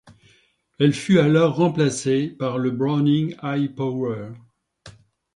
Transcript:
Elle fut alors remplacée par le Browning Hi-Power.